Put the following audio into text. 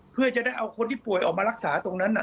เพื่อจะได้เอาคนที่ป่วยออกมารักษาตรงนั้น